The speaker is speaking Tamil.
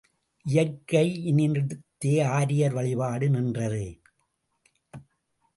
இயற்கையினிடத்தே ஆரியர் வழிபாடு நின்றது.